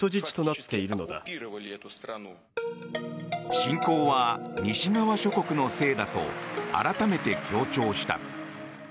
侵攻は西側諸国のせいだと改めて強調した。